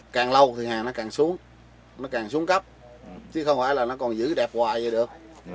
càng lâu thì hàng nó càng xuống nó càng xuống cấp chứ không phải là nó còn giữ đẹp hoài vậy được